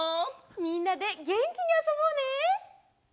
みんなでげんきにあそぼうね！